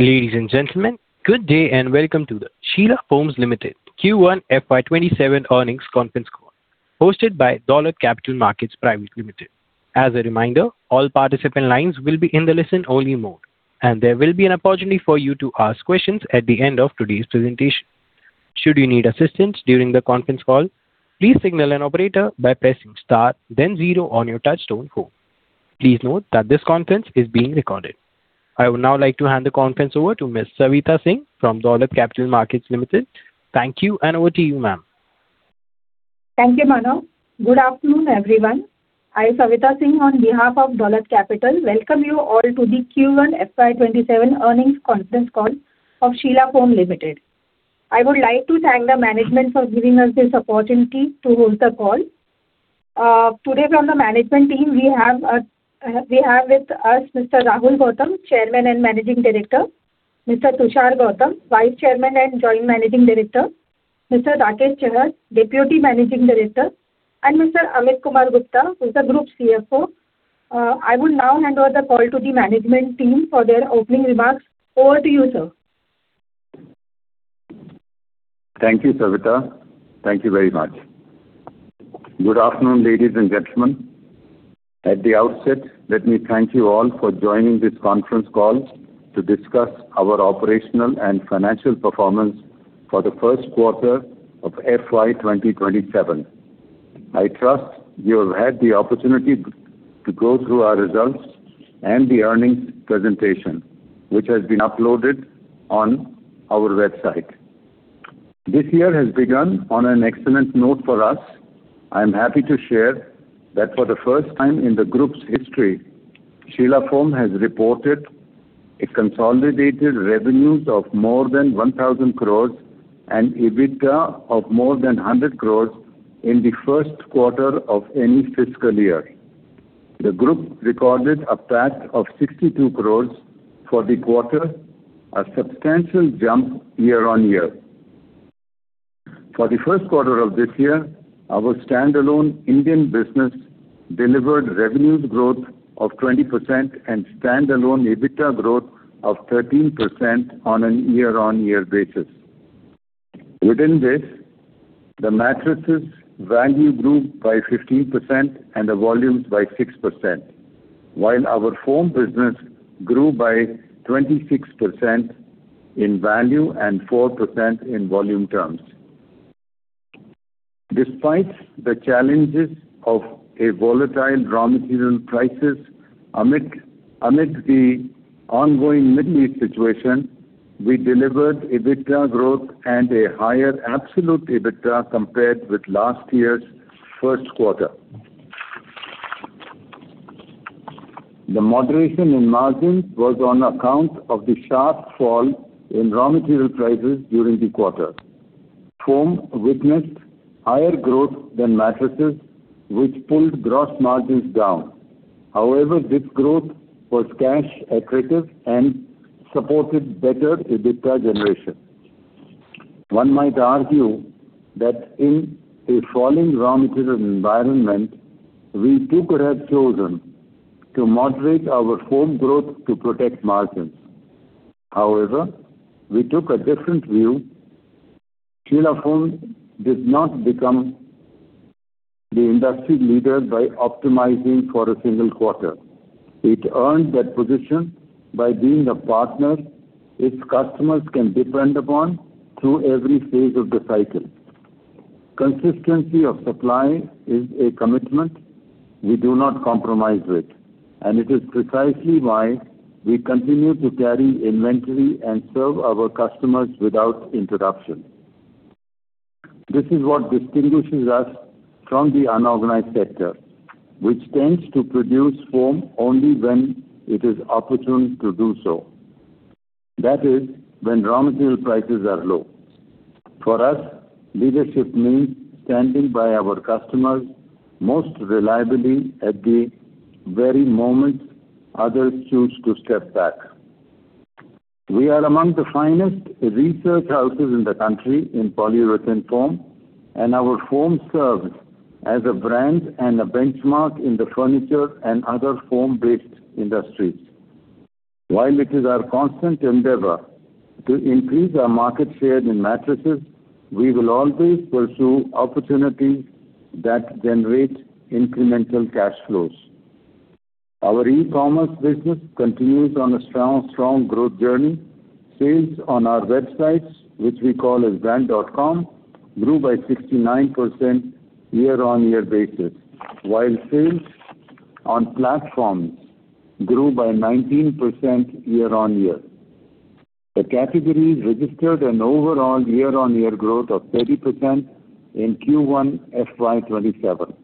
Ladies and gentlemen, good day and welcome to the Sheela Foam Limited Q1 FY 2027 earnings conference call, hosted by Dolat Capital Market Pvt. Ltd. As a reminder, all participant lines will be in the listen-only mode, and there will be an opportunity for you to ask questions at the end of today's presentation. Should you need assistance during the conference call, please signal an operator by pressing star then zero on your touch-tone phone. Please note that this conference is being recorded. I would now like to hand the conference over to Ms. Savita Singh from Dolat Capital Markets Ltd. Thank you, and over to you, ma'am. Thank you, Mano. Good afternoon, everyone. I, Savita Singh, on behalf of Dolat Capital welcome you all to the Q1 FY 2027 earnings conference call of Sheela Foam Limited. I would like to thank the management for giving us this opportunity to host the call. Today from the management team, we have with us Mr. Rahul Gautam, Chairman and Managing Director, Mr. Tushaar Gautam, Vice Chairman and Joint Managing Director, Mr. Rakesh Chahar, Deputy Managing Director, and Mr. Amit Kumar Gupta, who is the Group CFO. I would now hand over the call to the management team for their opening remarks. Over to you, sir. Thank you, Savita. Thank you very much. Good afternoon, ladies and gentlemen. At the outset, let me thank you all for joining this conference call to discuss our operational and financial performance for the first quarter of FY 2027. I trust you have had the opportunity to go through our results and the earnings presentation, which has been uploaded on our website. This year has begun on an excellent note for us. I'm happy to share that for the first time in the group's history, Sheela Foam has reported a consolidated revenues of more than 1,000 crores and EBITDA of more than 100 crores in the first quarter of any fiscal year. The group recorded a PAT of 62 crores for the quarter, a substantial jump year-on-year. For the first quarter of this year, our standalone Indian business delivered revenues growth of 20% and standalone EBITDA growth of 13% on a year-on-year basis. Within this, the mattresses value grew by 15% and the volumes by 6%, while our foam business grew by 26% in value and 4% in volume terms. Despite the challenges of volatile raw material prices amid the ongoing Middle East situation, we delivered EBITDA growth and a higher absolute EBITDA compared with last year's first quarter. The moderation in margins was on account of the sharp fall in raw material prices during the quarter. Foam witnessed higher growth than mattresses, which pulled gross margins down. However, this growth was cash accretive and supported better EBITDA generation. One might argue that in a falling raw material environment, we too could have chosen to moderate our foam growth to protect margins. However, we took a different view. Sheela Foam did not become the industry leader by optimizing for a single quarter. It earned that position by being a partner its customers can depend upon through every phase of the cycle. Consistency of supply is a commitment we do not compromise with, and it is precisely why we continue to carry inventory and serve our customers without interruption. This is what distinguishes us from the unorganized sector, which tends to produce foam only when it is opportune to do so. That is when raw material prices are low. For us, leadership means standing by our customers most reliably at the very moment others choose to step back. We are among the finest research houses in the country in polyurethane foam, and our foam serves as a brand and a benchmark in the furniture and other foam based industries. While it is our constant endeavor to increase our market share in mattresses, we will always pursue opportunities that generate incremental cash flows. Our e-commerce business continues on a strong growth journey. Sales on our websites, which we call as brand.com, grew by 69% year-on-year basis, while sales on platforms grew by 19% year-on-year. The categories registered an overall year-on-year growth of 30% in Q1 FY 2027,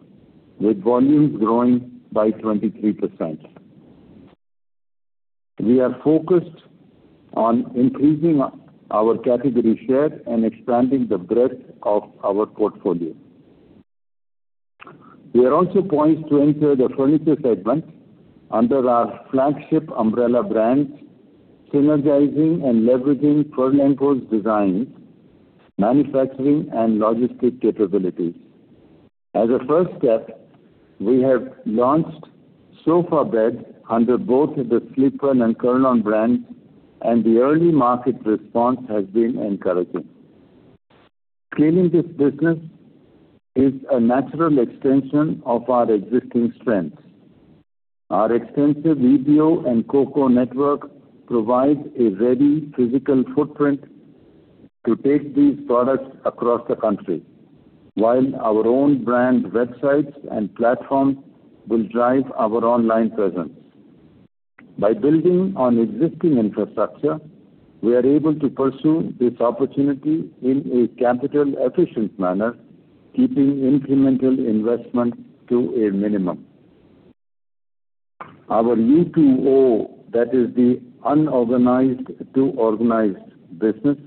with volumes growing by 23%. We are focused on increasing our category share and expanding the breadth of our portfolio. We are also poised to enter the furniture segment under our flagship umbrella brand, synergizing and leveraging Furlenco design, manufacturing, and logistic capabilities. As a first step, we have launched sofa bed under both the Sleepwell and Kurlon brands, and the early market response has been encouraging. Scaling this business is a natural extension of our existing strengths. Our extensive EBO and CoCo network provides a ready physical footprint to take these products across the country, while our own brand websites and platforms will drive our online presence. By building on existing infrastructure, we are able to pursue this opportunity in a capital-efficient manner, keeping incremental investment to a minimum. Our U2O, that is the unorganized to organized business,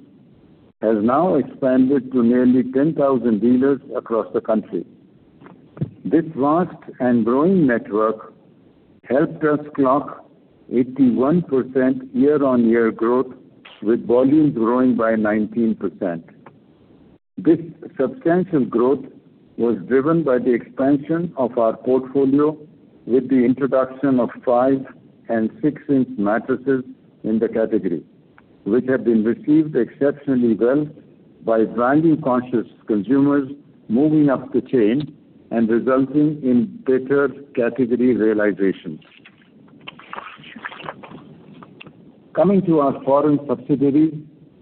has now expanded to nearly 10,000 dealers across the country. This vast and growing network helped us clock 81% year-on-year growth, with volumes growing by 19%. This substantial growth was driven by the expansion of our portfolio with the introduction of five and six-inch mattresses in the category, which have been received exceptionally well by branding-conscious consumers moving up the chain and resulting in better category realization. Coming to our foreign subsidiaries,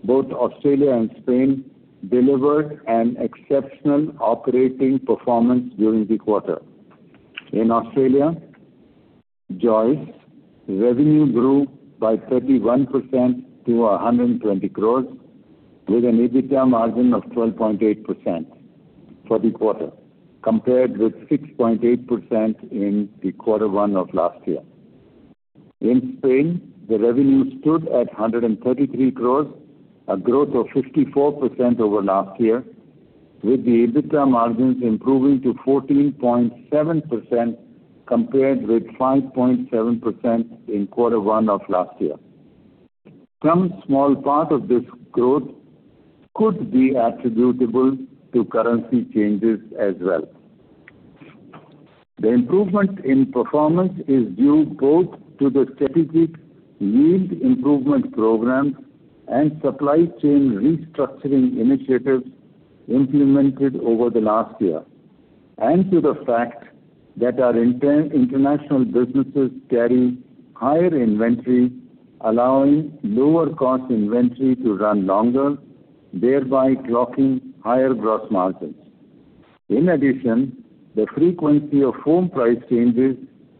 both Australia and Spain delivered an exceptional operating performance during the quarter. In Australia, Joyce, revenue grew by 31% to 120 crores, with an EBITDA margin of 12.8% for the quarter, compared with 6.8% in Q1 of last year. In Spain, the revenue stood at 133 crores, a growth of 54% over last year, with the EBITDA margins improving to 14.7%, compared with 5.7% in Q1 of last year. Some small part of this growth could be attributable to currency changes as well. The improvement in performance is due both to the strategic yield improvement programs and supply chain restructuring initiatives implemented over the last year, and to the fact that our international businesses carry higher inventory, allowing lower-cost inventory to run longer, thereby clocking higher gross margins. In addition, the frequency of home price changes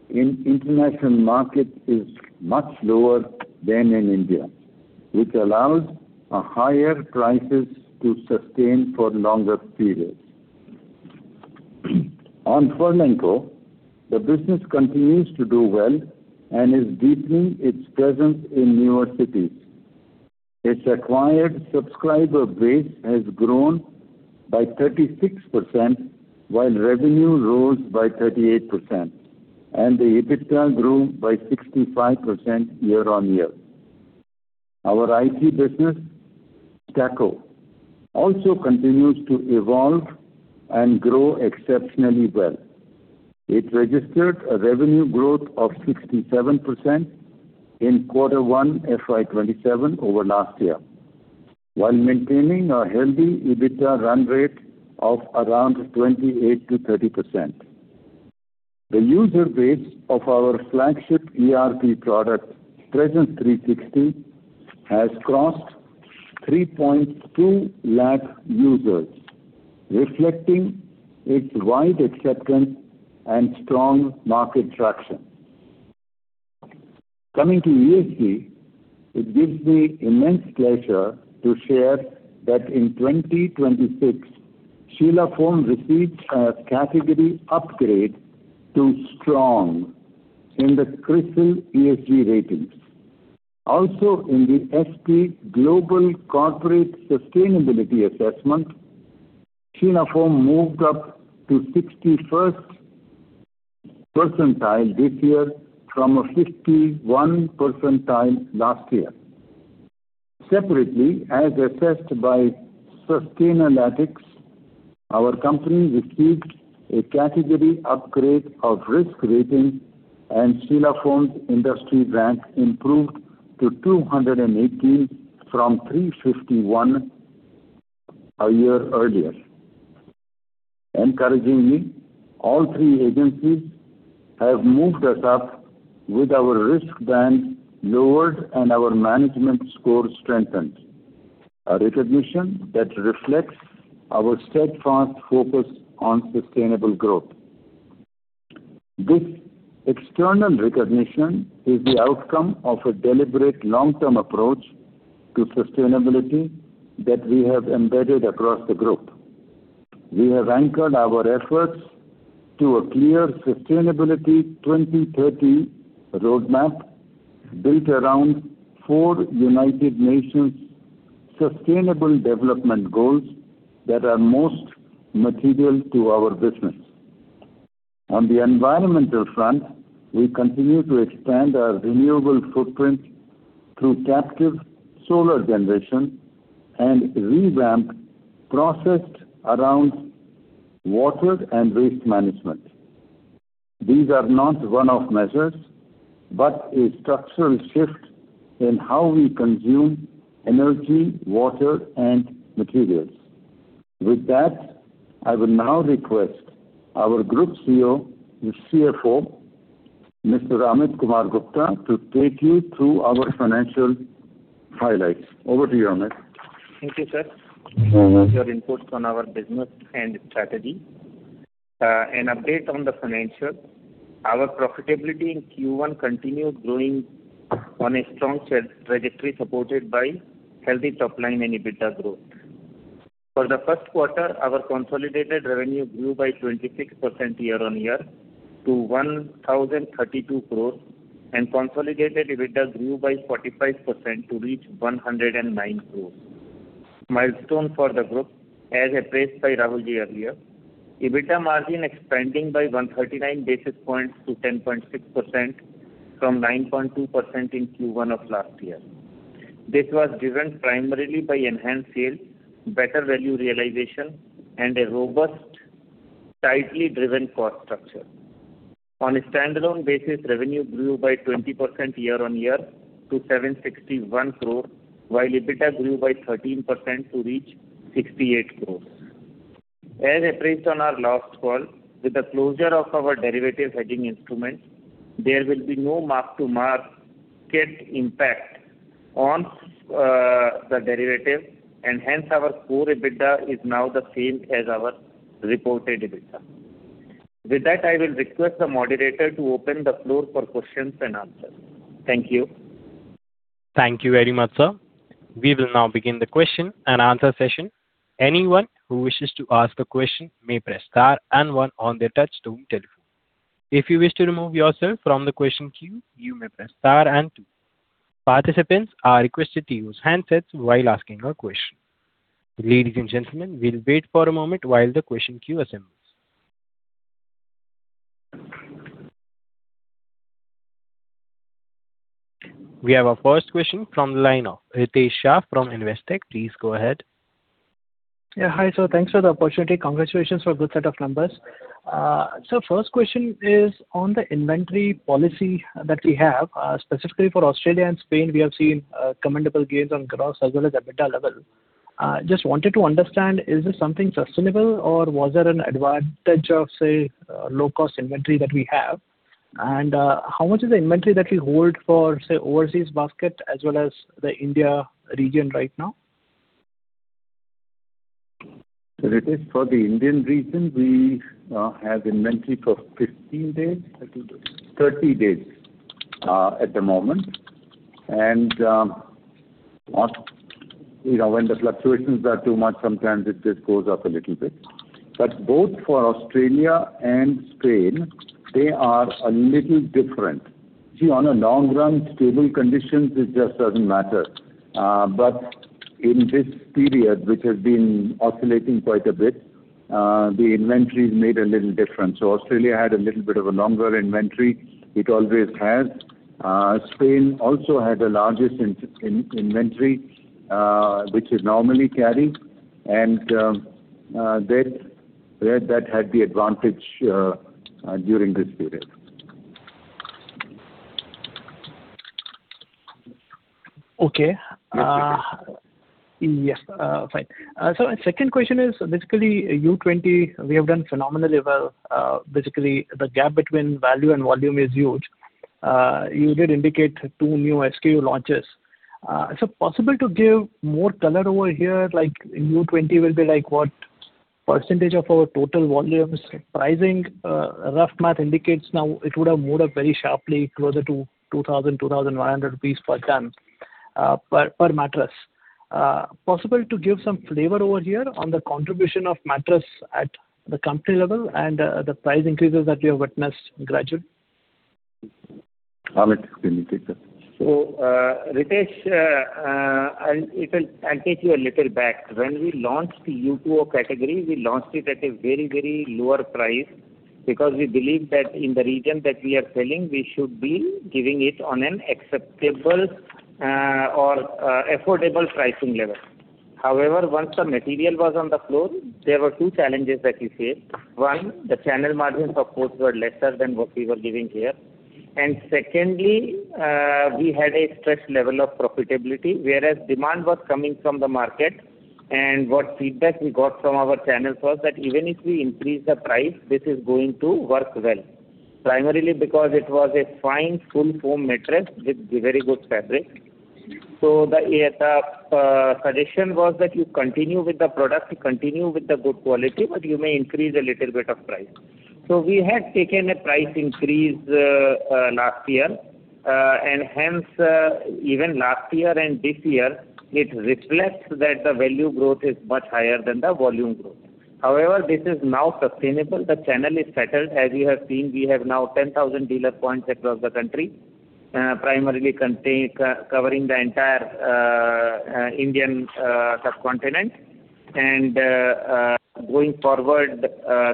in international markets is much lower than in India, which allows higher prices to sustain for longer periods. On Furlenco, the business continues to do well and is deepening its presence in newer cities. Its acquired subscriber base has grown by 36%, while revenue rose by 38%, and the EBITDA grew by 65% year-on-year. Our IT business, STAQO, also continues to evolve and grow exceptionally well. It registered a revenue growth of 67% in Q1 FY 2027 over last year, while maintaining a healthy EBITDA run rate of around 28%-30%. The user base of our flagship ERP product, Presence 360, has crossed 3.2 lakh users, reflecting its wide acceptance and strong market traction. Coming to ESG, it gives me immense pleasure to share that in 2026, Sheela Foam received a category upgrade to strong in the CRISIL ESG ratings. Also, in the S&P Global Corporate Sustainability Assessment, Sheela Foam moved up to 61st percentile this year from a 51 percentile last year. Separately, as assessed by Sustainalytics, our company received a category upgrade of risk rating, and Sheela Foam's industry rank improved to 218 from 351 a year earlier. Encouragingly, all three agencies have moved us up with our risk rank lowered and our management score strengthened, a recognition that reflects our steadfast focus on sustainable growth. This external recognition is the outcome of a deliberate long-term approach to sustainability that we have embedded across the group. We have anchored our efforts to a clear Sustainability 2030 roadmap built around four United Nations sustainable development goals that are most material to our business. On the environmental front, we continue to expand our renewable footprint through captive solar generation and revamp processed around water and waste management. These are not one-off measures, but a structural shift in how we consume energy, water, and materials. With that, I will now request our Group COO and CFO, Mr. Amit Kumar Gupta, to take you through our financial highlights. Over to you, Amit. Thank you sir, for your inputs on our business and strategy. An update on the financial. Our profitability in Q1 continued growing on a strong trajectory supported by healthy top-line and EBITDA growth. For the first quarter, our consolidated revenue grew by 26% year-over-year to 1,032 crore, and consolidated EBITDA grew by 45% to reach 109 crore. Milestone for the group, as appraised by Rahul earlier. EBITDA margin expanding by 139 basis points to 10.6% from 9.2% in Q1 of last year. This was driven primarily by enhanced sales, better value realization, and a robust, tightly driven cost structure. On a standalone basis, revenue grew by 20% year-over-year to 761 crore, while EBITDA grew by 13% to reach 68 crore. As appraised on our last call, with the closure of our derivative hedging instruments, there will be no mark-to-market impact on the derivative and hence our core EBITDA is now the same as our reported EBITDA. With that, I will request the moderator to open the floor for questions and answers. Thank you. Thank you very much, sir. We will now begin the question-and-answer session. Anyone who wishes to ask a question may press star and one on their touchtone telephone. If you wish to remove yourself from the question queue, you may press star and two. Participants are requested to use handsets while asking a question. Ladies and gentlemen, we'll wait for a moment while the question queue assembles. We have our first question from the line of Ritesh Shah from Investec. Please go ahead. Hi, sir. Thanks for the opportunity. Congratulations for a good set of numbers. Sir, first question is on the inventory policy that we have. Specifically for Australia and Spain, we have seen commendable gains on gross as well as EBITDA level. Just wanted to understand, is this something sustainable or was there an advantage of, say, low-cost inventory that we have? How much is the inventory that we hold for, say, overseas basket as well as the India region right now? Ritesh, for the Indian region, we have inventory for 15 days, 30 days at the moment. When the fluctuations are too much, sometimes it just goes up a little bit. Both for Australia and Spain, they are a little different. On a long run, stable conditions, it just doesn't matter. In this period, which has been oscillating quite a bit, the inventories made a little difference. Australia had a little bit of a longer inventory. It always has. Spain also had a larger inventory, which is normally carrying, and there, that had the advantage during this period. Okay. Yes. Fine. Sir, my second question is basically U2O, we have done phenomenally well. Basically, the gap between value and volume is huge. You did indicate two new SKU launches. Sir, possible to give more color over here, U2O will be what percentage of our total volumes? Pricing, rough math indicates now it would have moved up very sharply closer to 2,000, 2,100 rupees per mattress. Possible to give some flavor over here on the contribution of mattress at the company level and the price increases that we have witnessed gradually? Amit can take that. Ritesh, I'll take you a little back. When we launched the U2O category, we launched it at a very, very lower price because we believe that in the region that we are selling, we should be giving it on an acceptable or affordable pricing level. Once the material was on the floor, there were two challenges that we faced. One, the channel margins, of course, were lesser than what we were giving here. Secondly, we had a stretch level of profitability, whereas demand was coming from the market. What feedback we got from our channels was that even if we increase the price, this is going to work well. Primarily because it was a fine full foam mattress with very good fabric. The suggestion was that you continue with the product, you continue with the good quality, but you may increase a little bit of price. We had taken a price increase last year, and hence, even last year and this year, it reflects that the value growth is much higher than the volume growth. This is now sustainable. The channel is settled. As you have seen, we have now 10,000 dealer points across the country, primarily covering the entire Indian subcontinent. Going forward,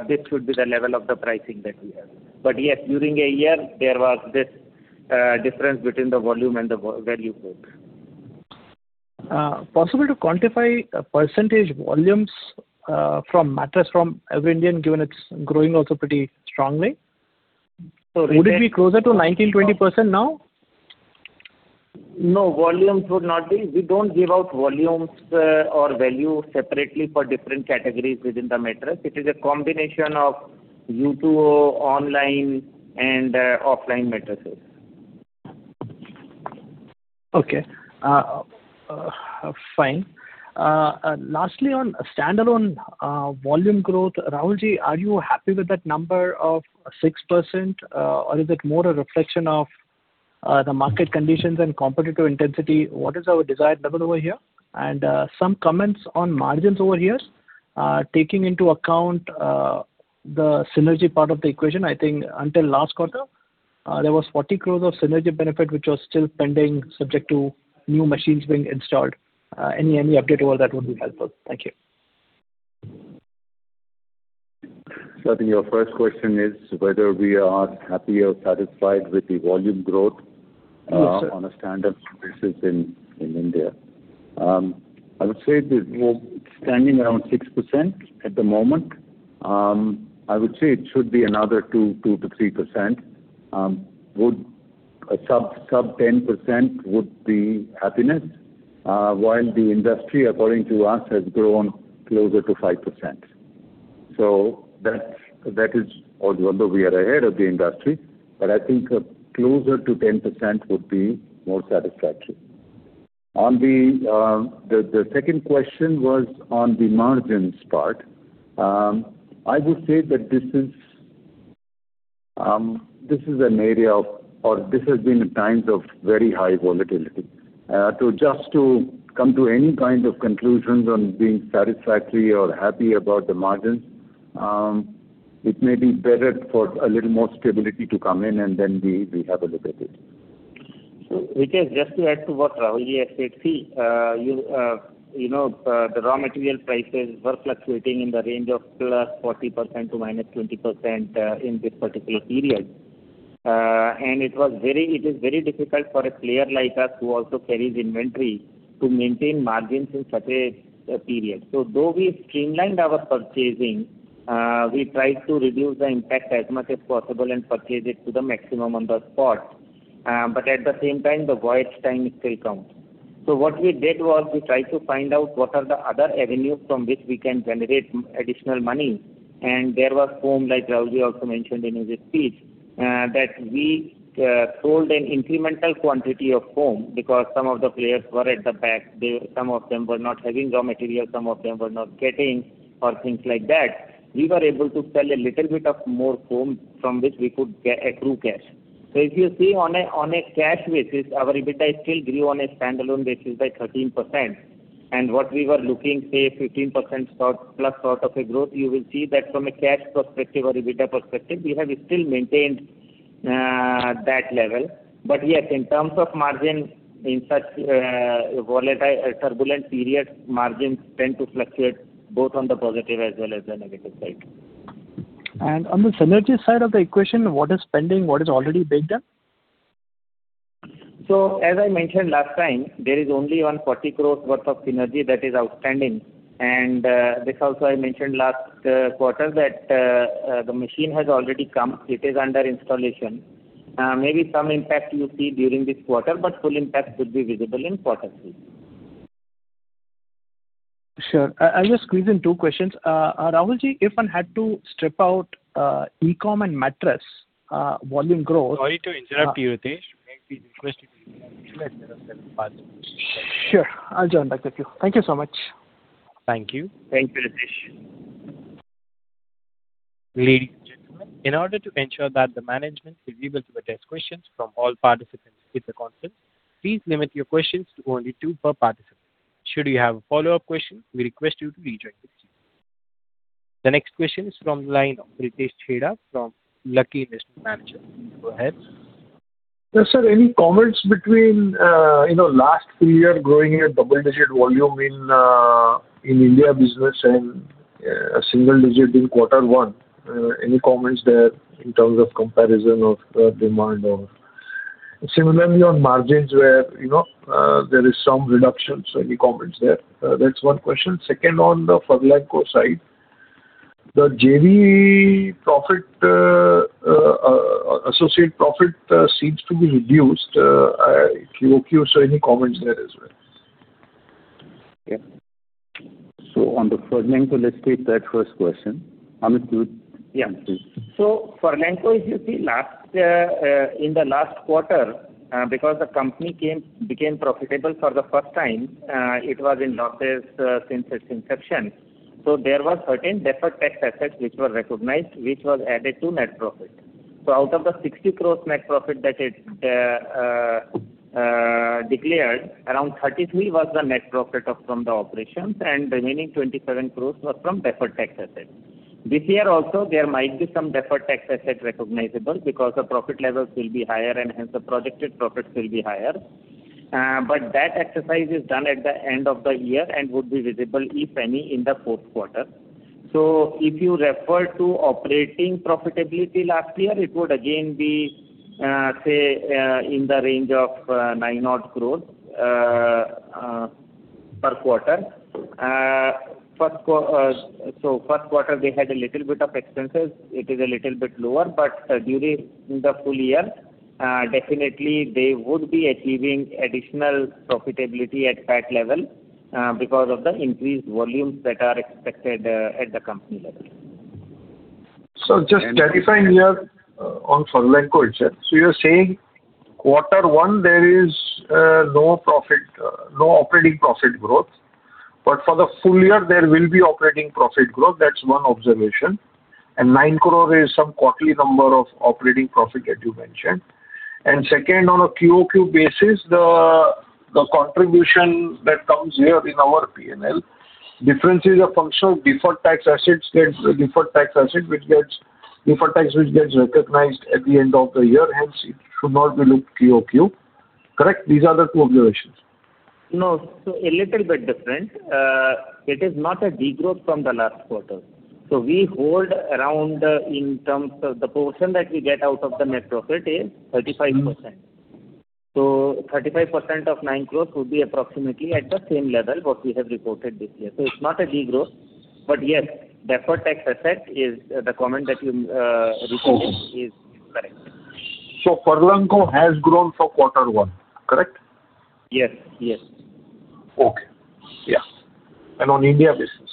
this should be the level of the pricing that we have. Yes, during a year, there was this difference between the volume and the value both. Possible to quantify percentage volumes from mattress from Every Indian, given it's growing also pretty strongly? Would it- Would it be closer to 19%, 20% now? No, volumes would not be. We don't give out volumes or value separately for different categories within the mattress. It is a combination of D2O, online, and offline mattresses. Okay. Fine. Lastly, on standalone volume growth, Rahul, are you happy with that number of 6% or is it more a reflection of the market conditions and competitive intensity? What is our desired level over here? Some comments on margins over here, taking into account the synergy part of the equation. I think until last quarter, there was 40 crore of synergy benefit, which was still pending subject to new machines being installed. Any update over that would be helpful. Thank you. I think your first question is whether we are happy or satisfied with the volume growth. Yes, sir On a standalone basis in India. I would say it's standing around 6% at the moment. I would say it should be another 2%-3%. A sub 10% would be happiness, while the industry, according to us, has grown closer to 5%. That is although we are ahead of the industry, but I think closer to 10% would be more satisfactory. The second question was on the margins part. I would say that this has been times of very high volatility. To adjust to come to any kind of conclusions on being satisfactory or happy about the margins, it may be better for a little more stability to come in, and then we have a look at it. Ritesh, just to add to what Rahul has said. See, the raw material prices were fluctuating in the range of +40% to -20% in this particular period. It is very difficult for a player like us who also carries inventory to maintain margins in such a period. Though we streamlined our purchasing, we tried to reduce the impact as much as possible and purchase it to the maximum on the spot. At the same time, the voyage time still counts. What we did was we tried to find out what are the other avenues from which we can generate additional money. There was foam, like Rahul also mentioned in his speech, that we sold an incremental quantity of foam because some of the players were at the back. Some of them were not having raw material, some of them were not getting or things like that. We were able to sell a little bit of more foam from which we could accrue cash. If you see on a cash basis, our EBITDA still grew on a standalone basis by 13%. What we were looking, say, 15%+ sort of a growth, you will see that from a cash perspective or EBITDA perspective, we have still maintained that level. Yes, in terms of margins in such a turbulent period, margins tend to fluctuate both on the positive as well as the negative side. On the synergy side of the equation, what is pending? What is already baked up? As I mentioned last time, there is only 140 crores worth of synergy that is outstanding. This also I mentioned last quarter that the machine has already come. It is under installation. Maybe some impact you see during this quarter, but full impact would be visible in quarter three. Sure. I'll just squeeze in two questions. Rahul, if one had to strip out e-com and mattress volume growth. Sorry to interrupt you, Ritesh. May I request you to. Let him ask that part. Sure. I'll join back with you. Thank you so much. Thank you. Thank you, Ritesh. Ladies and gentlemen, in order to ensure that the management is able to address questions from all participants in the conference, please limit your questions to only two per participant. Should you have a follow-up question, we request you to rejoin the queue. The next question is from the line of Pritesh Chheda from Lucky Investment Managers. Please go ahead. Yes, sir. Any comments between last three year growing at double-digit volume in India business and a single digit in quarter one? Any comments there in terms of comparison of the demand or Similarly, on margins where there is some reductions, any comments there? That's one question. Second, on the Furlenco side, the JV associate profit seems to be reduced, QOQ. Any comments there as well? On the Furlenco, let's take that first question. Amit please. Yeah. Furlenco, if you see, in the last quarter, because the company became profitable for the first time, it was in losses since its inception. There was certain deferred tax assets which were recognized, which was added to net profit. Out of the 60 crores net profit that it declared around 33 was the net profit from the operations, and remaining 27 crores were from deferred tax assets. This year also, there might be some deferred tax asset recognizable because the profit levels will be higher and hence the projected profits will be higher. That exercise is done at the end of the year and would be visible, if any, in the fourth quarter. If you refer to operating profitability last year, it would again be, say, in the range of INR nine odd crores per quarter. First quarter, they had a little bit of expenses. It is a little bit lower. During the full-year, definitely they would be achieving additional profitability at PAT level because of the increased volumes that are expected at the company level. Just clarifying here on Furlenco itself. You're saying quarter one, there is no operating profit growth, but for the full-year there will be operating profit growth. That's one observation. 9 crore is some quarterly number of operating profit that you mentioned. Second, on a QOQ basis, the contribution that comes here in our P&L difference is a function of deferred tax asset, which gets recognized at the end of the year. Hence, it should not be looked QOQ. Correct? These are the two observations. No. A little bit different. It is not a degrowth from the last quarter. We hold around in terms of the portion that we get out of the net profit is 35%. 35% of 9 crore would be approximately at the same level what we have reported this year. It's not a degrowth. Yes, deferred tax asset is the comment that you mentioned is correct. Furlenco has grown for quarter one, correct? Yes. Okay. Yeah. On India business?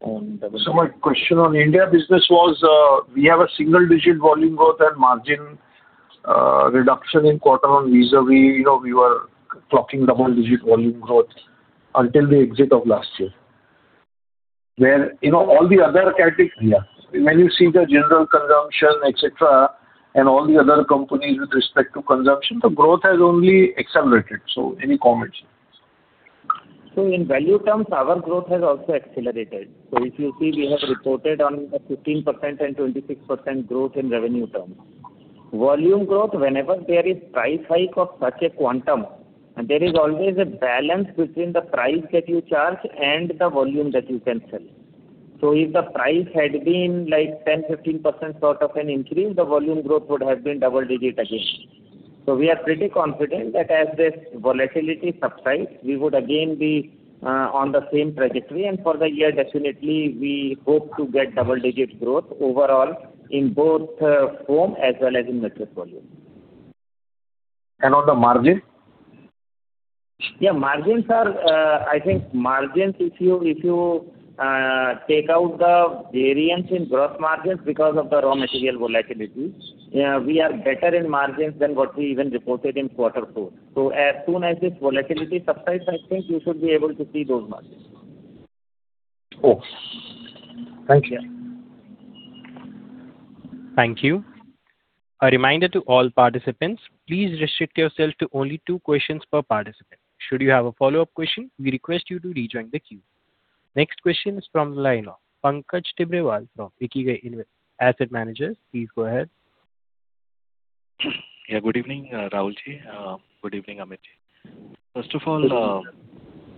On revenue. My question on India business was, we have a single-digit volume growth and margin reduction in quarter on vis-à-vis. We were clocking double-digit volume growth until the exit of last year. When you see the general consumption, et cetera, and all the other companies with respect to consumption, the growth has only accelerated. Any comments? In value terms, our growth has also accelerated. If you see, we have reported on the 15% and 26% growth in revenue terms. Volume growth, whenever there is price hike of such a quantum, there is always a balance between the price that you charge and the volume that you can sell. If the price had been 10%-15% sort of an increase, the volume growth would have been double-digit again. We are pretty confident that as this volatility subsides, we would again be on the same trajectory. For the year, definitely we hope to get double-digit growth overall in both foam as well as in mattress volume. On the margin? I think margins, if you take out the variance in gross margins because of the raw material volatility, we are better in margins than what we even reported in quarter four. As soon as this volatility subsides, I think you should be able to see those margins. Thank you. Yeah. Thank you. A reminder to all participants, please restrict yourself to only two questions per participant. Should you have a follow-up question, we request you to rejoin the queue. Next question is from the line of Pankaj Tibrewal from Ikigai Asset Manager. Please go ahead. Good evening, Rahul. Good evening, Amit. First of all,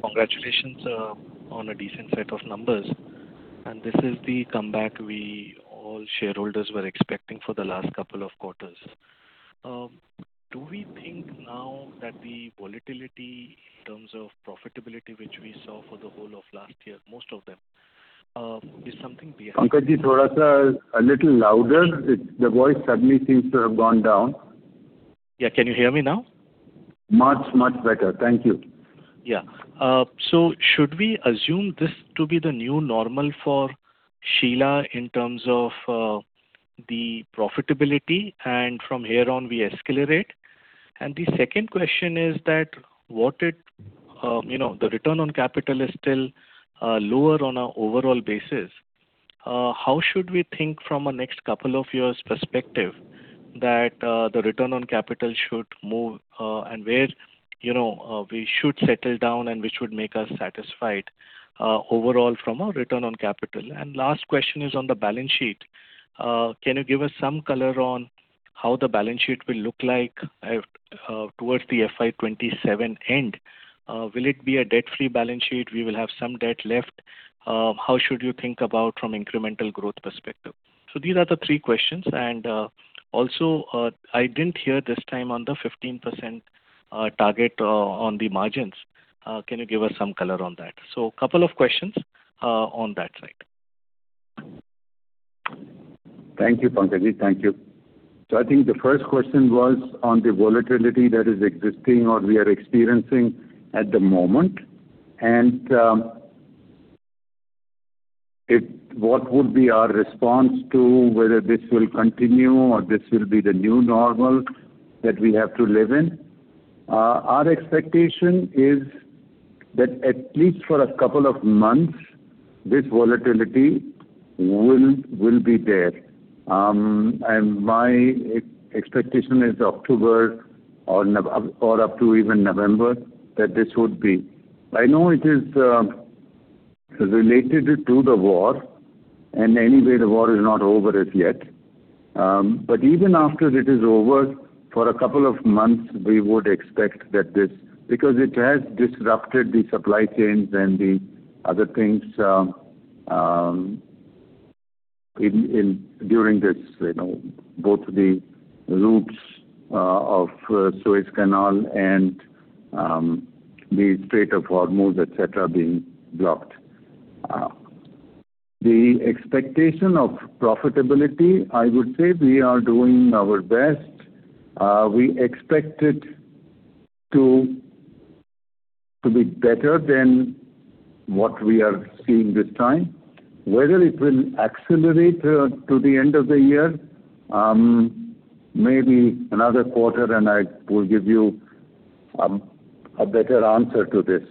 congratulations on a decent set of numbers. This is the comeback we all shareholders were expecting for the last couple of quarters. Do we think now that the volatility in terms of profitability, which we saw for the whole of last year, most of them, is something we have? Pankaj, a little louder. The voice suddenly seems to have gone down. Can you hear me now? Much better. Thank you. Should we assume this to be the new normal for Sheela in terms of the profitability and from here on we escalate? The second question is that, the return on capital is still lower on an overall basis. How should we think from a next couple of years perspective that the return on capital should move, and where we should settle down and which would make us satisfied overall from a return on capital? Last question is on the balance sheet. Can you give us some color on how the balance sheet will look like towards the FY 2027 end? Will it be a debt-free balance sheet? We will have some debt left. How should you think about from incremental growth perspective? These are the three questions. Also, I didn't hear this time on the 15% target on the margins. Can you give us some color on that? Couple of questions on that side. Thank you, Pankaj. Thank you. I think the first question was on the volatility that is existing or we are experiencing at the moment, and what would be our response to whether this will continue or this will be the new normal that we have to live in. Our expectation is that at least for a couple of months, this volatility will be there. My expectation is October or up to even November that this would be. I know it is related to the war, and anyway, the war is not over as yet. Even after it is over, for a couple of months, we would expect that this because it has disrupted the supply chains and the other things during this, both the routes of Suez Canal and the Strait of Hormuz, et cetera, being blocked. The expectation of profitability, I would say we are doing our best. We expect it to be better than what we are seeing this time. Whether it will accelerate to the end of the year, maybe another quarter and I will give you a better answer to this.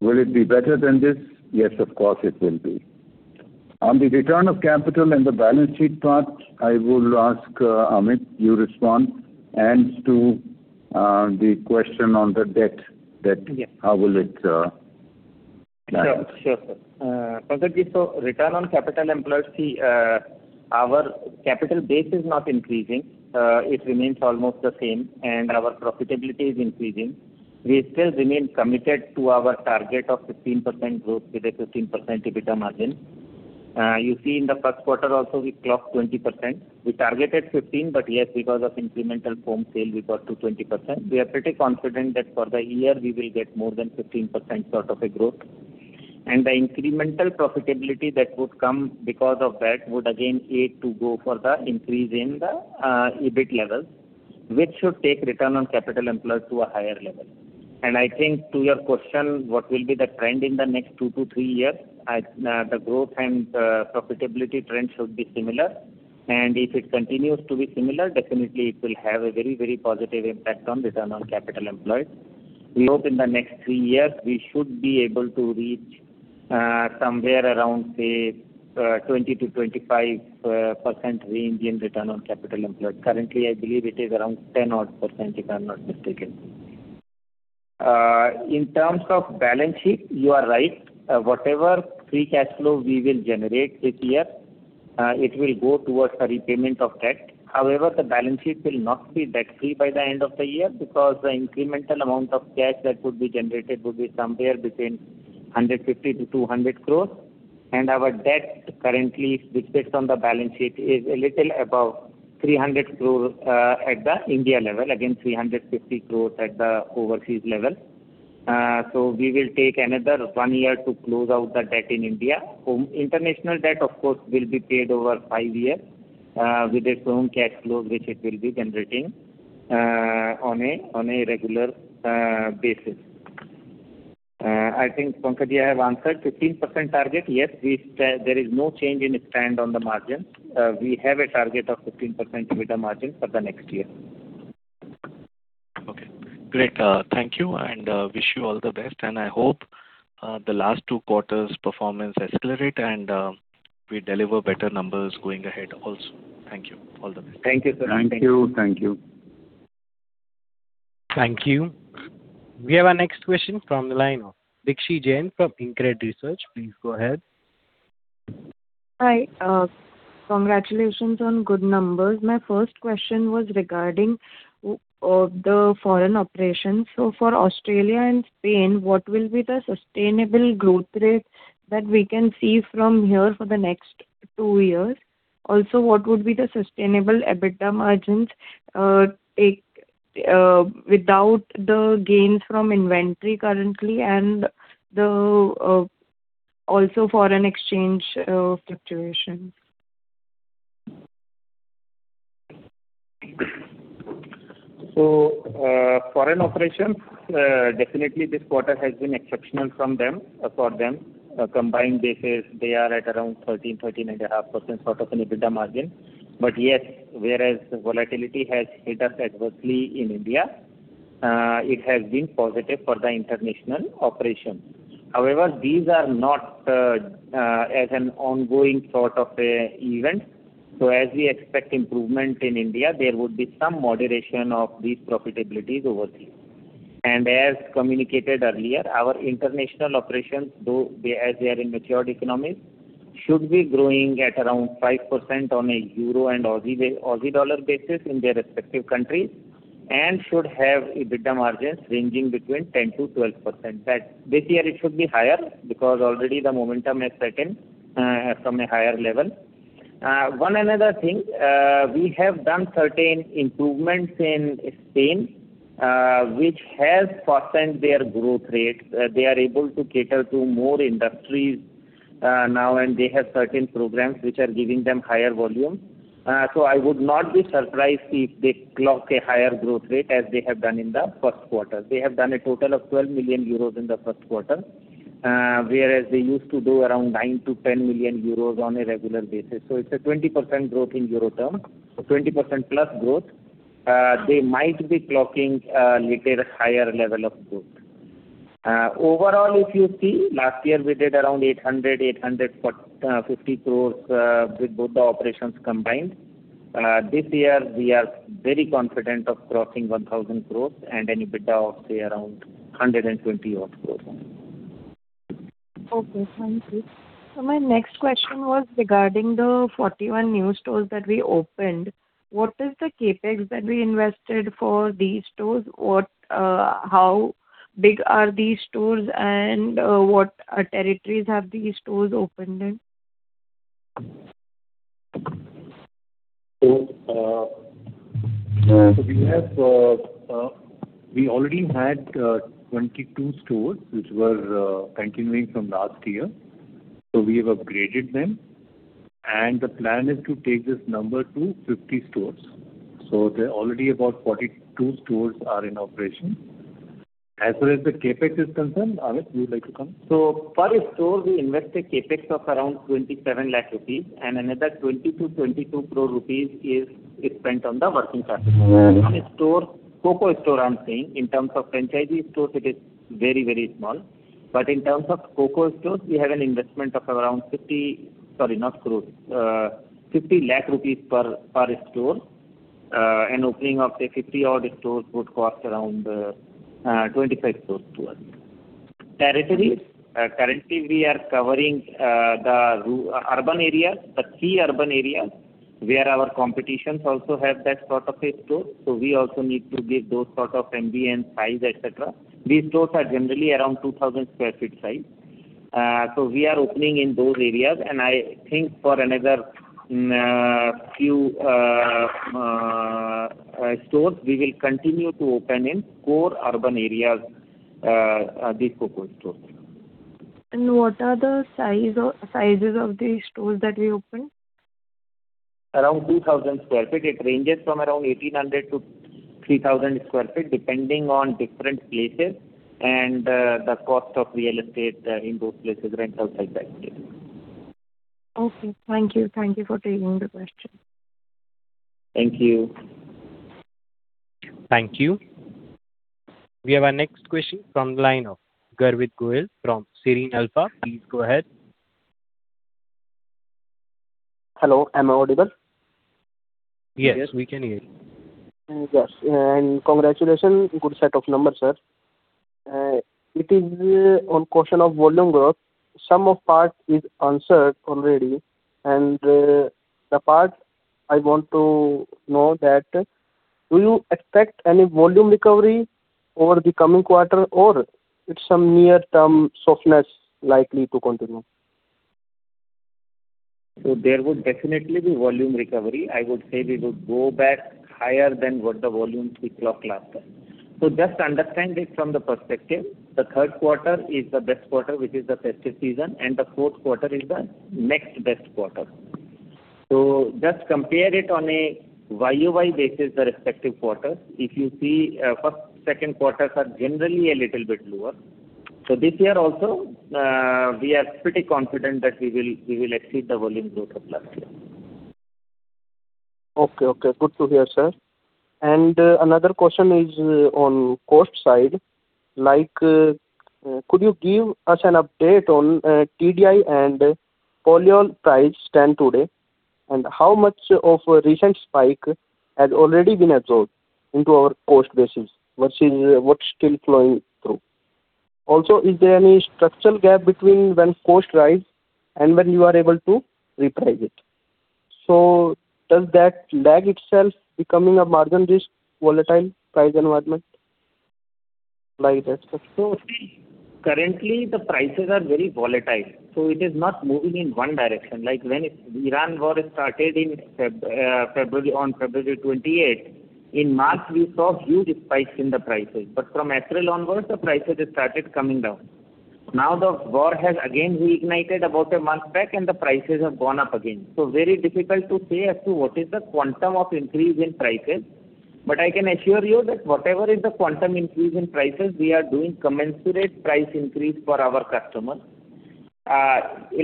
Will it be better than this? Yes, of course, it will be. On the return of capital and the balance sheet part, I will ask Amit to respond and to the question on the debt that how will it. Sure, sir. Return on capital employed. Our capital base is not increasing. It remains almost the same, and our profitability is increasing. We still remain committed to our target of 15% growth with a 15% EBITDA margin. You see in the first quarter also, we clocked 20%. We targeted 15%. Yes, because of incremental foam sale, we got to 20%. We are pretty confident that for the year we will get more than 15% sort of a growth. The incremental profitability that would come because of that would again aid to go for the increase in the EBIT levels, which should take return on capital employed to a higher level. I think to your question, what will be the trend in the next two to three years? The growth and profitability trend should be similar. If it continues to be similar, definitely it will have a very positive impact on return on capital employed. We hope in the next three years, we should be able to reach somewhere around, say, 20%-25% INR return on capital employed. Currently, I believe it is around 10%-odd, if I'm not mistaken. In terms of balance sheet, you are right. Whatever free cash flow we will generate this year it will go towards the repayment of debt. However, the balance sheet will not be debt-free by the end of the year because the incremental amount of cash that would be generated would be somewhere between 150-200 crores. Our debt currently, based on the balance sheet, is a little above 300 crores at the India level. Again, 350 crores at the overseas level. We will take another one year to close out the debt in India. International debt, of course, will be paid over five years with its own cash flow, which it will be generating on a regular basis. I think, Pankaj, I have answered 15% target. Yes, there is no change in stand on the margin. We have a target of 15% EBITDA margin for the next year. Okay, great. Thank you. Wish you all the best. I hope the last two quarters' performance accelerate and we deliver better numbers going ahead also. Thank you. All the best. Thank you, sir. Thank you. Thank you. We have our next question from the line of Dikshi Jain from InCred Research. Please go ahead. Hi. Congratulations on good numbers. My first question was regarding the foreign operations. For Australia and Spain, what will be the sustainable growth rate that we can see from here for the next two years? Also, what would be the sustainable EBITDA margins without the gains from inventory currently and also foreign exchange fluctuations? Foreign operations definitely this quarter has been exceptional for them. Combined basis, they are at around 13%-13.5% sort of an EBITDA margin. Yes, whereas volatility has hit us adversely in India it has been positive for the international operations. However, these are not as an ongoing sort of event. As we expect improvement in India, there would be some moderation of these profitabilities over there. As communicated earlier, our international operations, as they are in matured economies, should be growing at around 5% on a euro and AU dollar basis in their respective countries, and should have EBITDA margins ranging between 10%-12%. This year it should be higher because already the momentum has strengthened from a higher level. One another thing we have done certain improvements in Spain which has fastened their growth rate. They are able to cater to more industries now. They have certain programs which are giving them higher volume. I would not be surprised if they clock a higher growth rate as they have done in the first quarter. They have done a total of 12 million euros in the first quarter. Whereas they used to do around 9 million-10 million euros on a regular basis. It's a 20% growth in euro terms. 20%+ growth. They might be clocking a little higher level of growth. Overall, if you see, last year we did around 800 crore-850 crore with both the operations combined. This year we are very confident of crossing 1,000 crore and an EBITDA of say around 120-odd crore. Okay. Thank you. My next question was regarding the 41 new stores that we opened. What is the CapEx that we invested for these stores? How big are these stores and what territories have these stores opened in? We already had 22 stores, which were continuing from last year, so we have upgraded them. The plan is to take this number to 50 stores. Already about 42 stores are in operation. As far as the CapEx is concerned, Amit, would you like to come? Per store, we invest a CapEx of around 27 lakh rupees, and another 20 crore-22 crore rupees is spent on the working capital. CoCo store, I am saying. In terms of franchisee stores, it is very small. In terms of CoCo stores, we have an investment of around 50, sorry, not crores, 50 lakh rupees per store, and opening of the 50 odd stores would cost around 25 crore plus. Territories. Currently we are covering the key urban areas where our competitions also have that sort of a store. We also need to give those sort of MBO size, et cetera. These stores are generally around 2,000 sq ft size. We are opening in those areas and I think for another few stores we will continue to open in core urban areas, these CoCo stores. What are the sizes of the stores that we opened? Around 2,000 sq ft. It ranges from around 1,800 sq ft-3,000 sq ft, depending on different places and the cost of real estate in those places, rentals like that. Okay. Thank you. Thank you for taking the question. Thank you. Thank you. We have our next question from the line of Garvit Goyal from Serene Alpha. Please go ahead. Hello, am I audible? Yes, we can hear you. Congratulations. Good set of numbers, sir. It is on question of volume growth. Some of parts is answered already. The part I want to know that, do you expect any volume recovery over the coming quarter or it's some near-term softness likely to continue? There would definitely be volume recovery. I would say we would go back higher than what the volumes we clocked last time. Just understand it from the perspective, the third quarter is the best quarter, which is the festive season, and the fourth quarter is the next best quarter. Just compare it on a YOY basis, the respective quarters. If you see, first, second quarters are generally a little bit lower. This year also, we are pretty confident that we will exceed the volume growth of last year. Okay. Good to hear, sir. Another question is on cost side. Could you give us an update on TDI and polyol price stand today? How much of recent spike has already been absorbed into our cost basis versus what's still flowing through? Also, is there any structural gap between when cost rise and when you are able to reprice it? Does that lag itself becoming a margin risk, volatile price environment like that? See, currently the prices are very volatile, so it is not moving in one direction. Like when Iran war started on February 28th, in March we saw huge spike in the prices, but from April onwards the prices started coming down. Now the war has again reignited about a month back, and the prices have gone up again. Very difficult to say as to what is the quantum of increase in prices. I can assure you that whatever is the quantum increase in prices, we are doing commensurate price increase for our customers. A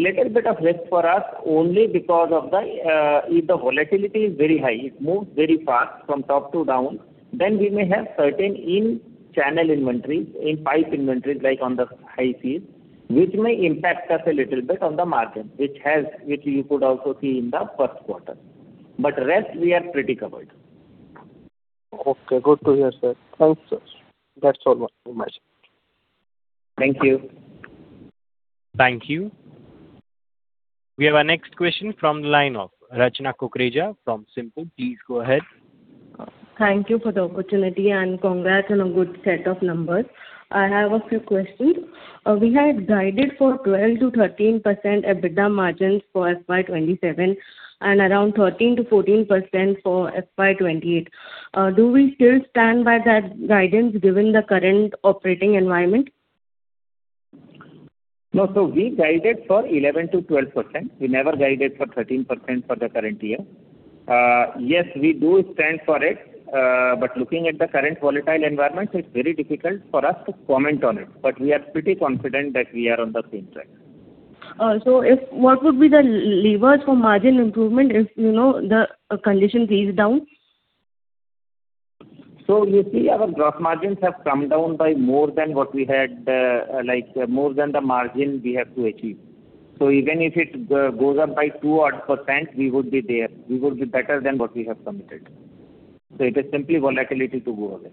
little bit of risk for us only because of the, if the volatility is very high, it moves very fast from top to down, then we may have certain in-channel inventories, in-pipe inventories, like on the high seas, which may impact us a little bit on the margin, which you could also see in the first quarter. Rest we are pretty covered. Okay. Good to hear, sir. Thanks, sir. That's all from my side. Thank you. Thank you. We have our next question from the line of Rachna Kukreja from Simpl. Please go ahead. Thank you for the opportunity and congrats on a good set of numbers. I have a few questions. We had guided for 12%-13% EBITDA margins for FY 2027 and around 13%-14% for FY 2028. Do we still stand by that guidance given the current operating environment? No. We guided for 11%-12%. We never guided for 13% for the current year. Yes, we do stand for it. Looking at the current volatile environment, it's very difficult for us to comment on it. We are pretty confident that we are on the same track. What would be the levers for margin improvement if the condition eases down? You see our gross margins have come down by more than what we had, like more than the margin we have to achieve. Even if it goes up by 2%-odd, we would be there. We would be better than what we have committed. It is simply volatility to go away.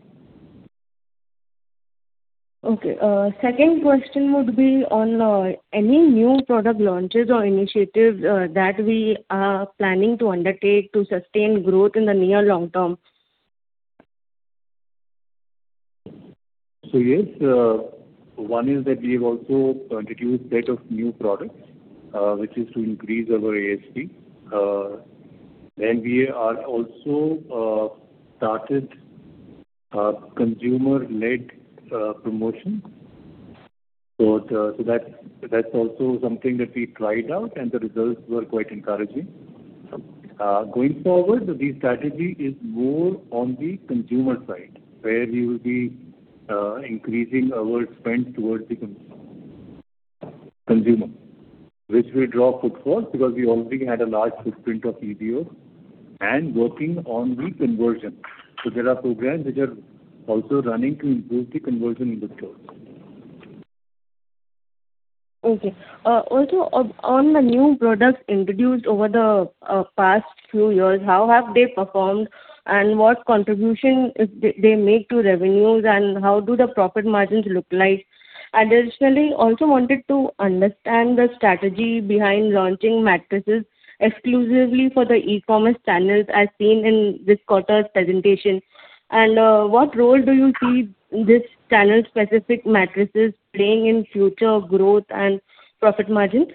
Okay. Second question would be on any new product launches or initiatives that we are planning to undertake to sustain growth in the near long term. Yes, one is that we have also introduced set of new products, which is to increase our ASP. We are also started consumer-led promotion. That's also something that we tried out, and the results were quite encouraging. Going forward, the strategy is more on the consumer side, where we will be increasing our spend towards the consumer, which will draw footfalls because we already had a large footprint of EBO and working on the conversion. There are programs which are also running to improve the conversion in the stores. Okay. Also, on the new products introduced over the past few years, how have they performed and what contribution they make to revenues, and how do the profit margins look like? Additionally, also wanted to understand the strategy behind launching mattresses exclusively for the e-commerce channels as seen in this quarter's presentation. What role do you see this channel-specific mattresses playing in future growth and profit margins?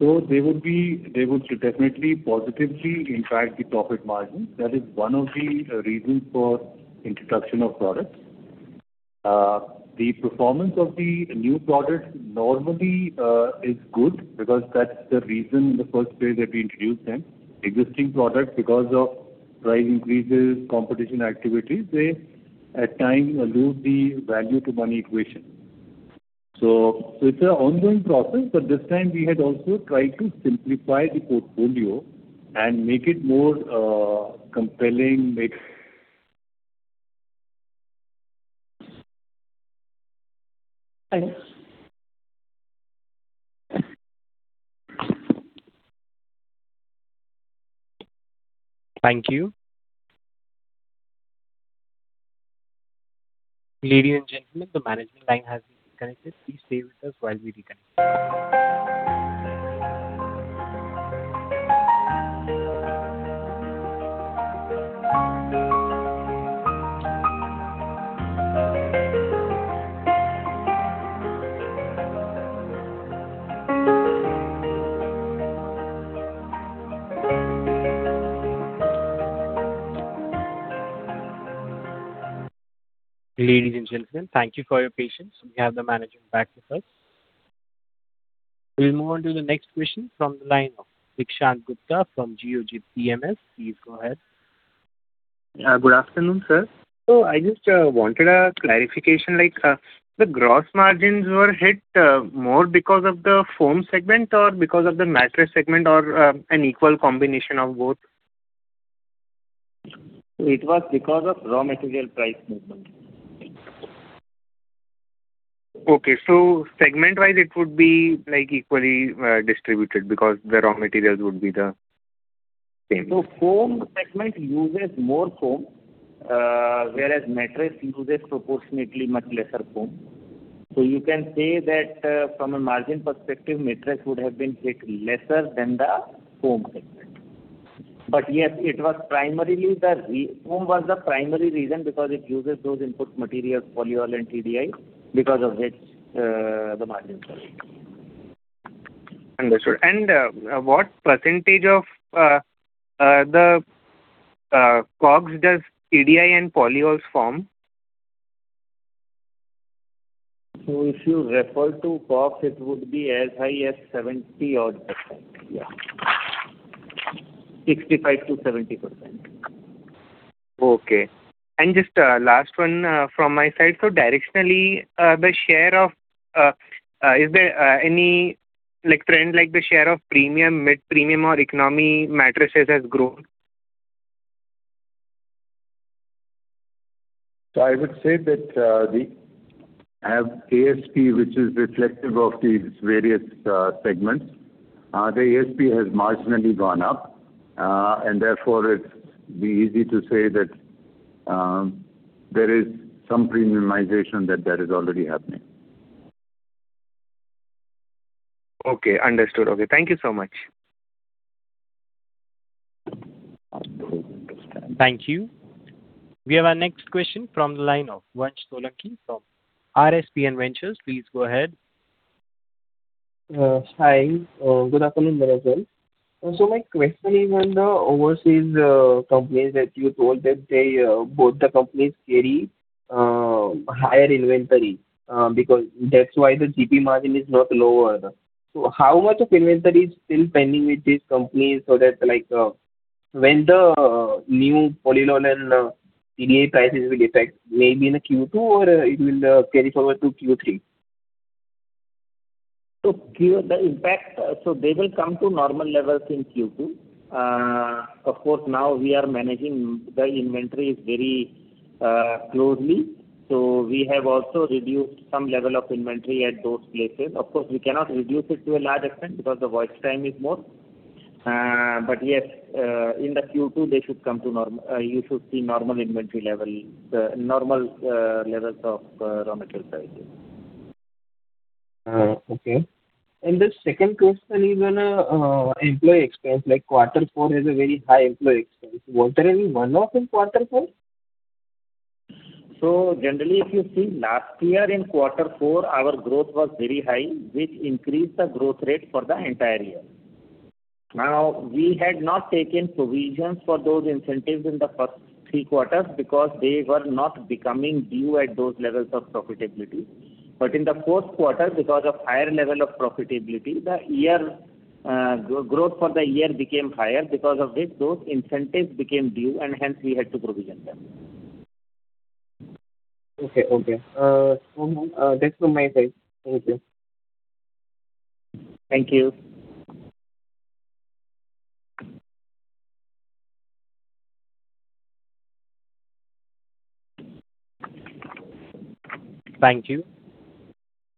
They would definitely positively impact the profit margin. That is one of the reasons for introduction of products. The performance of the new product normally is good because that's the reason in the first place that we introduced them. Existing product, because of price increases, competition activities, they at time lose the value to money equation. It's an ongoing process, but this time we had also tried to simplify the portfolio and make it more compelling mix. Thank you. Thank you. Ladies and gentlemen, the management line has been disconnected. Please stay with us while we reconnect. Ladies and gentlemen, thank you for your patience. We have the management back with us. We'll move on to the next question from the line of Dikshant Gupta from Geojit PMS. Please go ahead. Good afternoon, sir. I just wanted a clarification, like the gross margins were hit more because of the foam segment or because of the mattress segment or an equal combination of both? It was because of raw material price movement. Okay, segment-wise, it would be equally distributed because the raw materials would be the Foam segment uses more foam, whereas mattress uses proportionately much lesser foam. You can say that from a margin perspective, mattress would have been hit lesser than the foam segment. Yes, foam was the primary reason because it uses those input materials, polyol and TDI, because of which the margins were hit. Understood. What percentage of the COGS does TDI and polyols form? If you refer to COGS, it would be as high as 70%-odd. 65%-70%. Okay. Just last one from my side. Directionally, is there any trend like the share of premium, mid-premium, or economy mattresses has grown? I would say that we have ASP, which is reflective of these various segments. The ASP has marginally gone up, and therefore it's easy to say that there is some premiumization that is already happening. Okay, understood. Okay, thank you so much. Thank you. We have our next question from the line of Vansh Solanki from RSPN Ventures. Please go ahead. Hi. Good afternoon, everyone. My question is on the overseas companies that you told that they bought the company's carry higher inventory. That's why the GP margin is not lower. How much of inventory is still pending with this company so that when the new polyol and TDI prices will affect maybe in the Q2 or it will carry forward to Q3? The impact, they will come to normal levels in Q2. Of course, now we are managing the inventories very closely. We have also reduced some level of inventory at those places. Of course, we cannot reduce it to a large extent because the voice time is more. Yes, in the Q2 you should see normal inventory level, the normal levels of raw material prices. Okay. The second question is on employee expense, quarter four has a very high employee expense. Was there any one-off in quarter four? Generally if you see last year in quarter four, our growth was very high, which increased the growth rate for the entire year. We had not taken provisions for those incentives in the first three quarters because they were not becoming due at those levels of profitability. But in the fourth quarter, because of higher level of profitability, the growth for the year became higher. Because of this, those incentives became due, and hence we had to provision them. Okay. That's from my side. Thank you. Thank you. Thank you.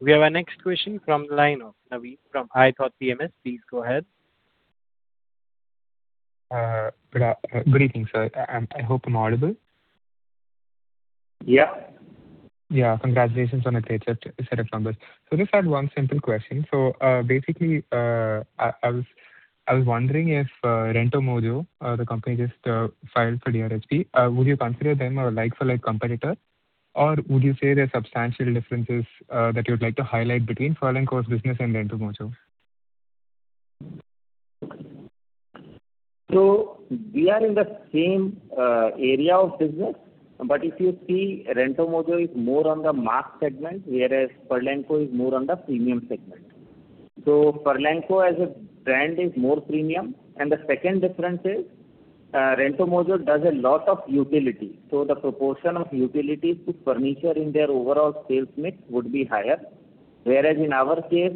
We have our next question from the line of Naveen from iThought PMS. Please go ahead. Good evening, sir. I hope I'm audible. Yeah. Yeah. Congratulations on the great set of numbers. Just had one simple question. Basically, I was wondering if RentoMojo, the company just filed for DRHP. Would you consider them a like for like competitor? Or would you say there are substantial differences that you'd like to highlight between Furlenco's business and RentoMojo? We are in the same area of business. If you see, RentoMojo is more on the mass segment, whereas Furlenco is more on the premium segment. Furlenco as a brand is more premium. The second difference is RentoMojo does a lot of utility. The proportion of utilities to furniture in their overall sales mix would be higher. Whereas in our case,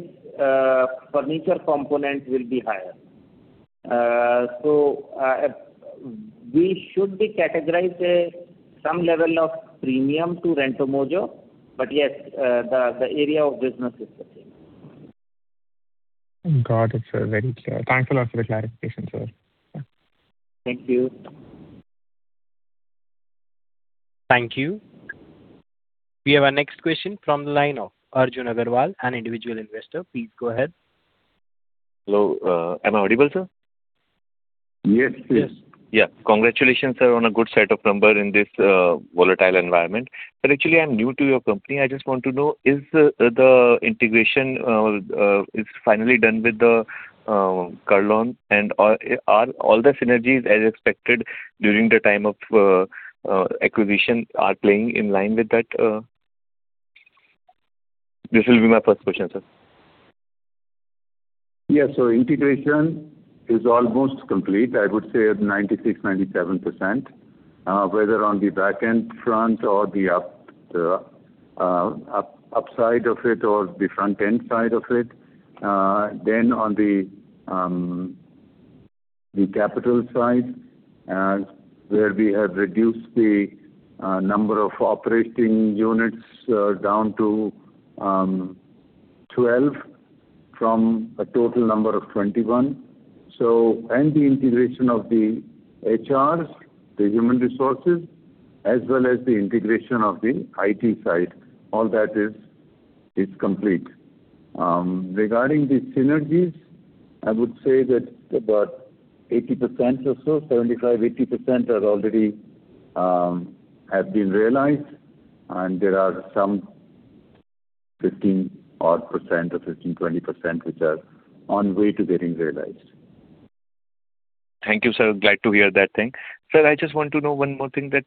furniture component will be higher. We should be categorized as some level of premium to RentoMojo. Yes, the area of business is the same. Got it, sir. Very clear. Thanks a lot for the clarification, sir. Thank you. Thank you. We have our next question from the line of Arjun Agarwal, an individual investor. Please go ahead. Hello. Am I audible, sir? Yes, please. Yeah. Congratulations, sir, on a good set of numbers in this volatile environment. Sir, actually, I'm new to your company. I just want to know, is the integration is finally done with the Kurlon? Are all the synergies as expected during the time of acquisition are playing in line with that? This will be my first question, sir. Yeah. Integration is almost complete. I would say at 96%, 97%, whether on the back end front or the upside of it, or the front end side of it. On the capital side, where we have reduced the number of operating units down to 12 from a total number of 21. The integration of the HRs, the human resources, as well as the integration of the IT side, all that is complete. Regarding the synergies, I would say that about 80% or so, 75%, 80% have been realized. There are some 15%-odd or 15%, 20% which are on way to getting realized. Thank you, sir. Glad to hear that thing. Sir, I just want to know one more thing that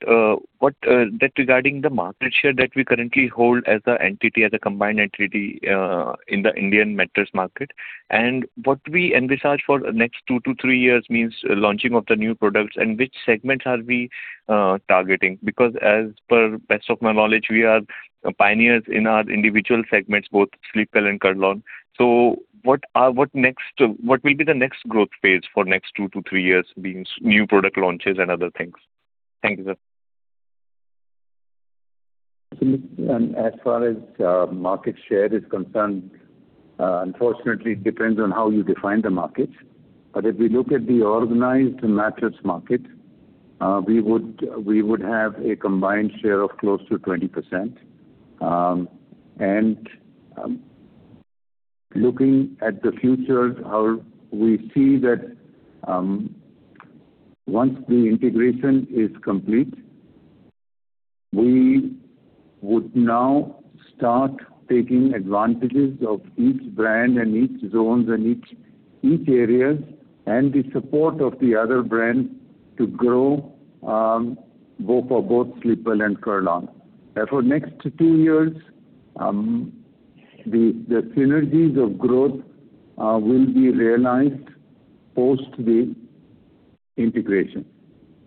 regarding the market share that we currently hold as a combined entity in the Indian mattress market, and what we envisage for next two to three years means launching of the new products and which segments are we targeting? Because as per best of my knowledge, we are pioneers in our individual segments, both Sleepwell and Kurlon. What will be the next growth phase for next two to three years, being new product launches and other things? Thank you, sir. As far as market share is concerned, unfortunately, it depends on how you define the market. If we look at the organized mattress market, we would have a combined share of close to 20%. Looking at the future, we see that once the integration is complete, we would now start taking advantages of each brand and each zones and each areas, and the support of the other brands to grow, both for Sleepwell and Kurlon. Next two years, the synergies of growth will be realized post the integration,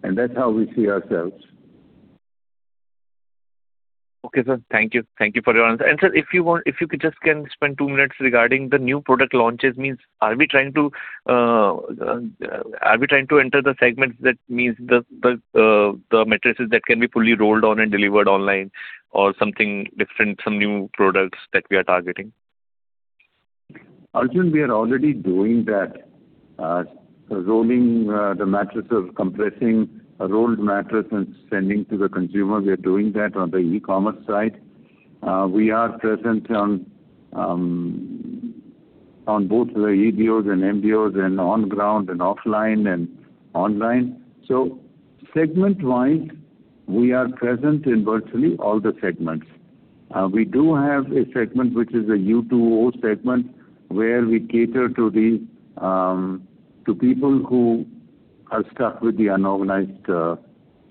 and that's how we see ourselves. Okay, sir. Thank you. Thank you for your answer. Sir, if you could just spend two minutes regarding the new product launches. Are we trying to enter the segments, that means the mattresses that can be fully rolled on and delivered online or something different, some new products that we are targeting? Arjun, we are already doing that. Rolling the mattresses, compressing a rolled mattress and sending to the consumer, we are doing that on the e-commerce side. We are present on both the EBOs and MBOs and on ground and offline and online. Segment-wise, we are present in virtually all the segments. We do have a segment which is a U2O segment, where we cater to people who are stuck with the unorganized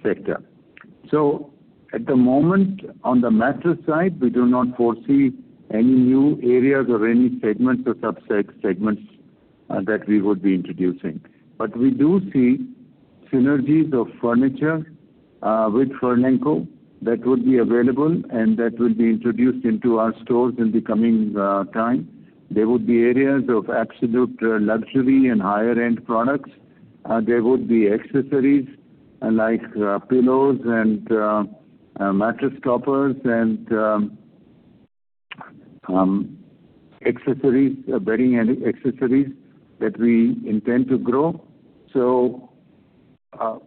sector. At the moment, on the mattress side, we do not foresee any new areas or any segments or sub-segments that we would be introducing. We do see synergies of furniture with Furlenco that would be available and that would be introduced into our stores in the coming time. There would be areas of absolute luxury and higher-end products. There would be accessories like pillows and mattress toppers and bedding accessories that we intend to grow. That's how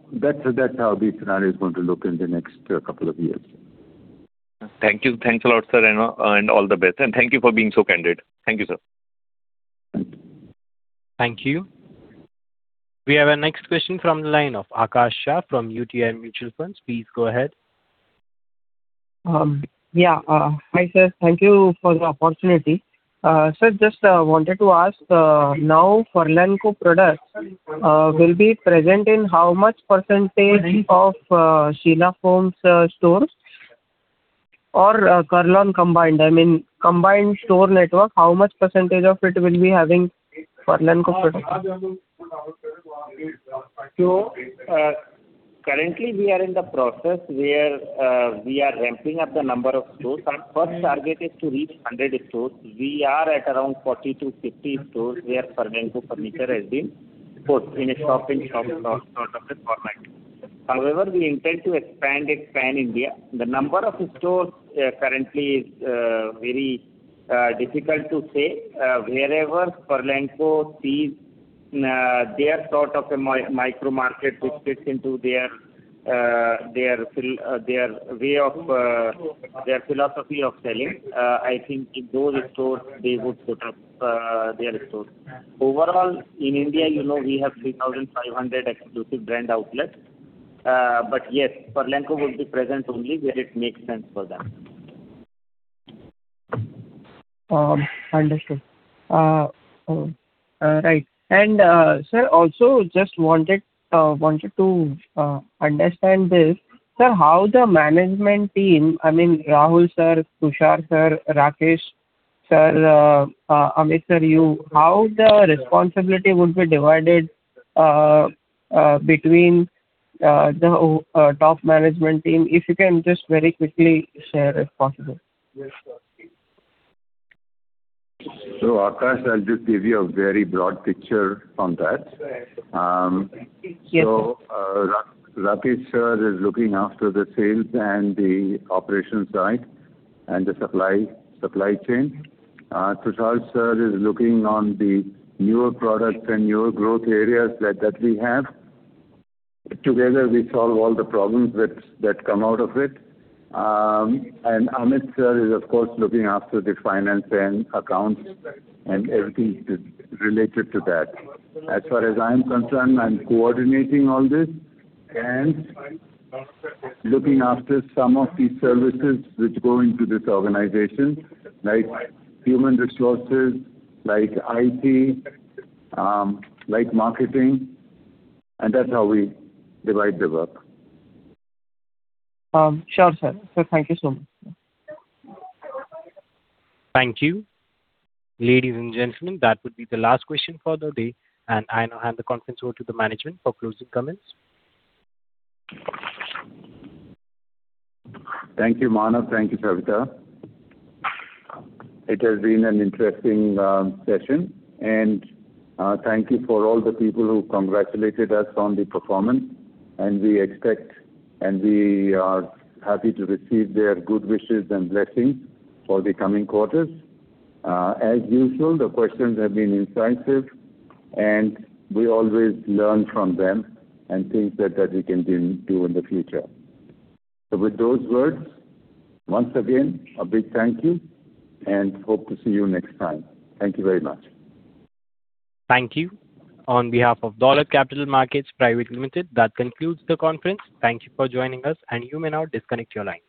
the scenario is going to look in the next couple of years. Thank you. Thanks a lot, sir, and all the best. Thank you for being so candid. Thank you, sir. Thank you. We have our next question from the line of Akash Shah from UTI Mutual Fund. Please go ahead. Yeah. Hi, sir. Thank you for the opportunity. Sir, just wanted to ask, now Furlenco products will be present in how much percentage of Sheela Foam stores or Kurlon combined? I mean, combined store network, how much percentage of it will be having Furlenco products? Currently we are in the process where we are ramping-up the number of stores. Our first target is to reach 100 stores. We are at around 40-50 stores where Furlenco furniture has been put in a shop-in-shop sort of a format. However, we intend to expand it pan-India. The number of stores currently is very difficult to say. Wherever Furlenco sees their sort of a micro market which fits into their philosophy of selling, I think in those stores, they would put up their stores. Overall, in India, we have 3,500 exclusive brand outlets. Yes, Furlenco would be present only where it makes sense for them. Understood. Right. Sir, also just wanted to understand this. Sir, how the management team, I mean, Rahul sir, Tushaar sir, Rakesh sir, Amit sir, you, how the responsibility would be divided between the top management team? If you can just very quickly share, if possible. Akash, I'll just give you a very broad picture on that. Yes, sir. Rakesh sir is looking after the sales and the operations side and the supply chain. Tushaar sir is looking on the newer products and newer growth areas that we have. Together, we solve all the problems that come out of it. Amit sir is, of course, looking after the finance and accounts and everything related to that. As far as I'm concerned, I'm coordinating all this and looking after some of the services which go into this organization, like human resources, like IT, like marketing, and that's how we divide the work. Sure sir, thank you so much. Thank you. Ladies and gentlemen, that would be the last question for the day. I now hand the conference over to the management for closing comments. Thank you, Manav. Thank you, Savita. It has been an interesting session. Thank you for all the people who congratulated us on the performance. We are happy to receive their good wishes and blessings for the coming quarters. As usual, the questions have been insights, and we always learn from them and things that we can do in the future. With those words, once again, a big thank you, and hope to see you next time. Thank you very much. Thank you. On behalf of Dolat Capital Market Pvt. Ltd., that concludes the conference. Thank you for joining us, and you may now disconnect your line.